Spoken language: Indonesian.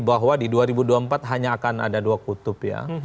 bahwa di dua ribu dua puluh empat hanya akan ada dua kutub ya